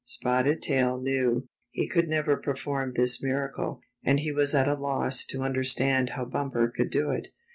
Spotted Tail knew he could never perform this miracle, and he was at a loss to un derstand how Bumper could do it.